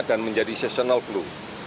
dan menjadi seasonal flu